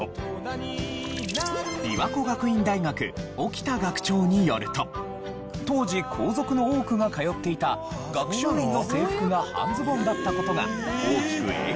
びわこ学院大学沖田学長によると当時皇族の多くが通っていた学習院の制服が半ズボンだった事が大きく影響しているといわれています。